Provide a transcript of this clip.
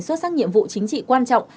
xuất sắc nhiệm vụ chính trị quan trọng